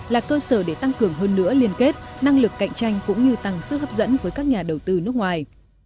là cơ sở để tăng cường hơn nữa liên kết năng lực cạnh tranh cũng như tăng sức hấp dẫn với các nhà đầu tư nước ngoài